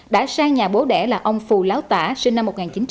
đã sang nhà bố đẻ là ông phù láo tả sinh năm một nghìn chín trăm năm mươi bảy